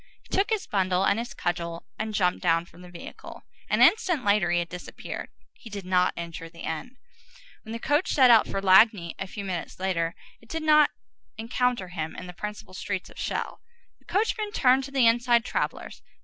He took his bundle and his cudgel and jumped down from the vehicle. An instant later he had disappeared. He did not enter the inn. When the coach set out for Lagny a few minutes later, it did not encounter him in the principal street of Chelles. The coachman turned to the inside travellers.